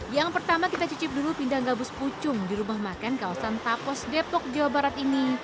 yang pertama kita cicip dulu pindang gabus pucung di rumah makan kawasan tapos depok jawa barat ini